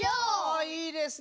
あいいですね